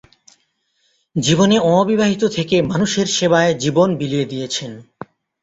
জীবনে অবিবাহিত থেকে মানুষের সেবায় জীবন বিলিয়ে দিয়েছেন।